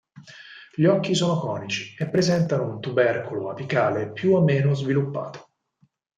Gli occhi sono conici, e presentano un tubercolo apicale più o meno sviluppato.